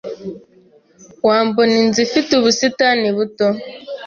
Wambona inzu ifite ubusitani buto?